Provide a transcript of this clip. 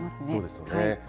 そうですね。